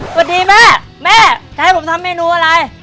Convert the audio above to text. สวัสดีแม่แม่จะให้ผมทำเมนูอะไร